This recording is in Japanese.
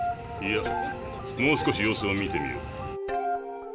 いやもう少し様子を見てみよう。